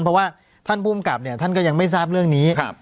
เพราะว่าท่านภูมิกับเนี่ยท่านก็ยังไม่ทราบเรื่องนี้